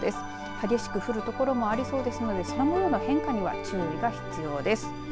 激しく降るところもありそうですので空もようの変化には注意が必要です。